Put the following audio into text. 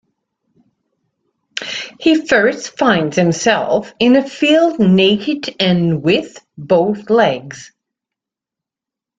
He first finds himself in a field naked-and with both legs.